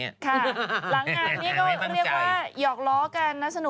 ปล่อยให้เบลล่าว่าง